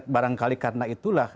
barangkali karena itulah